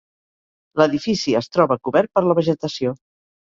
L'edifici es troba cobert per la vegetació.